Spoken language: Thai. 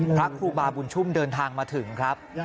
พระครูบาบุญชุ่มเดินทางมาถึงครับ